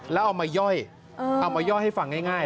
แล้วเอามาย่อยเอามาย่อยให้ฟังง่าย